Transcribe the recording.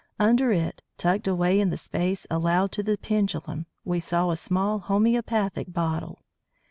Under it, tucked away in the space allowed to the pendulum, we saw a small homoeopathic bottle.